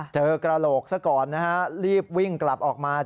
กระโหลกซะก่อนนะฮะรีบวิ่งกลับออกมา